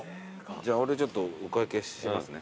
じゃあ俺ちょっとお会計しますね。